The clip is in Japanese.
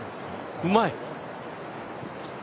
うまい！